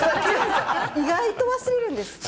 意外と忘れるんです。